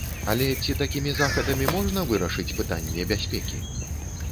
Але ці такімі захадамі можна вырашыць пытанне бяспекі?